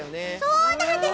そうなんです！